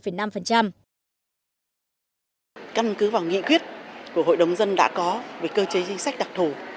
căn cứ vào nghị quyết của hội đồng dân đã có về cơ chế chính sách đặc thù